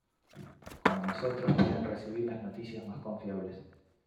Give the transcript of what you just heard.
Con nosotros pueden recibir las noticias más confiables.